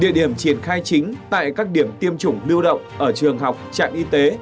địa điểm triển khai chính tại các điểm tiêm chủng lưu động ở trường học trạm y tế